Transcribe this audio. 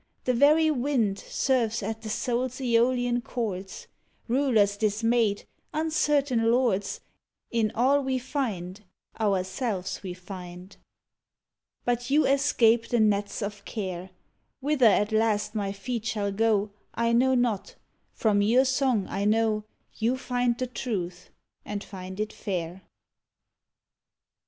The very wind Serves at the soul's aeolian chords; Rulers dismayed, uncertain lords, In all we find, ourselves we find. 94 "THE ECHO AND "THE QUES'T But you escape the nets of care. Whither at last my feet shall go I know not: from your song I know You find the truth, and find it fair.